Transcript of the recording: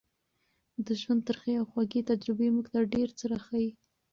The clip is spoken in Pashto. د ژوند ترخې او خوږې تجربې موږ ته ډېر څه راښيي.